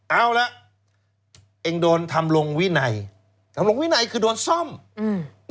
เอาละเองโดนทำลงวินัยทำลงวินัยคือโดนซ่อมอืม